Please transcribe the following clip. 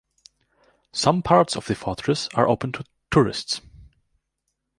Some parts of the fortress are open to tourists.